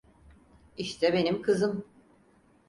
İşte benim kızım.